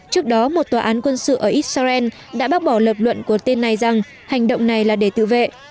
trước đó một tòa án quân sự ở israel đã bác bỏ lập luận của tên này rằng hành động này là để tự vệ